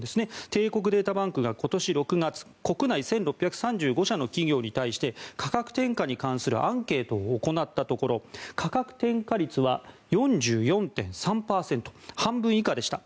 帝国データバンクが今年６月国内１６３５社の企業に対して価格転嫁に対するアンケートを行ったところ価格転嫁率は４４．３％半分以下でした。